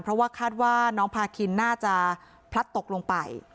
เพราะว่าคาดว่าน้องพาคินน่าจะพลัดตกลงไป